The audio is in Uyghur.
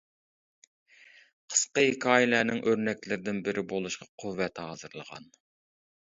قىسقا ھېكايىلەرنىڭ ئۆرنەكلىرىدىن بىرى بولۇشقا قۇۋۋەت ھازىرلىغان.